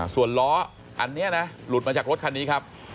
ส่วนล้ออันนี้นะหลุดมาจากรถคันนี้ครับ